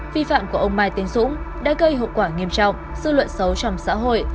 vi phạm của ông mai tiến dũng đã gây hậu quả nghiêm trọng dư luận xấu trong xã hội